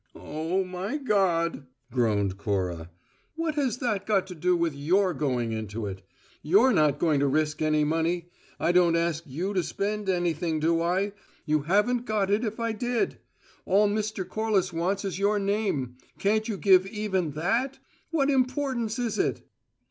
"Oh, my God!" groaned Cora. "What has that got to do with your going into it? You're not going to risk any money! I don't ask you to spend anything, do I? You haven't got it if I did. All Mr. Corliss wants is your name. Can't you give even that? What importance is it?"